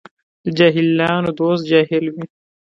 د جاهلانو دوست جاهل وي.